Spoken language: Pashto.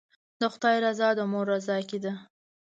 د خدای رضا د مور رضا کې ده.